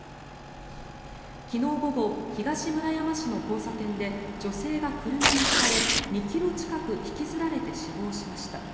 昨日午後、東村山市の交差点で女性が車にひかれ２ｋｍ近く引きずられて死亡しました。